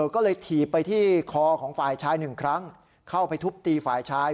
ก็เลยถีบไปที่คอของฝ่ายชายหนึ่งครั้งเข้าไปทุบตีฝ่ายชาย